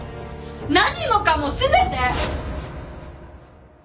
何もかも全て！